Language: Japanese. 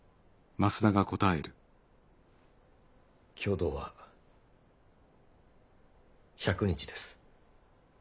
共同は１００日です。